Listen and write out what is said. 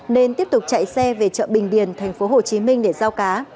nên tiếp tục chạy xe về chợ bình điền tp hcm để giao cá